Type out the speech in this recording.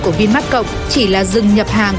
của vinmark cộng chỉ là dừng nhập hàng